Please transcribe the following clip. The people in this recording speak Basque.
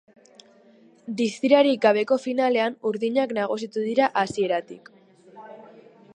Distirarik gabeko finalean urdinak nagusitu dira hasieratik.